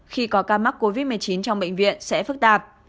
khi có ca mắc covid một mươi chín trong bệnh viện sẽ phức tạp